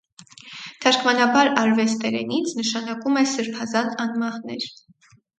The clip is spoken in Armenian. Թարգմանաբար ավեստերենից նշանակում է «սրբազան անմահներ»։